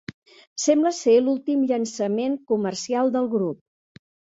Sembla ser l'últim llançament comercial del grup.